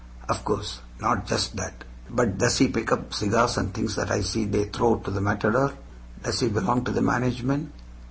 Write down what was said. Of course, not just that. But does he pick up cigars and things that I see they throw to the matador? Does he belong to the management?